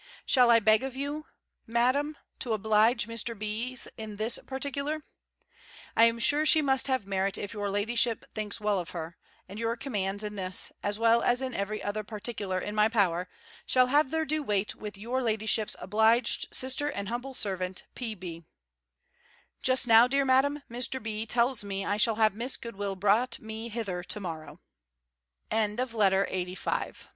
Shall I beg of you. Madam, to oblige Mr. B.'s in this particular? I am sure she must have merit if your ladyship thinks well of her; and your commands in this, as well as in every other particular in my power, shall have their due weight with your ladyship's obliged sister and humble servant, P.B. Just now, dear Madam, Mr. B. tells me I shall have Miss Goodwill brought me hither to morrow. LETTER LXXXVI _From Lady Davers to Mrs. B.